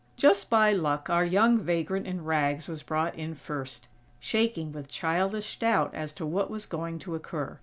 Just by luck, our young vagrant in rags was brought in first, shaking with childish doubt as to what was going to occur.